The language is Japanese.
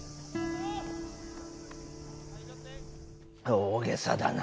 大げさだな。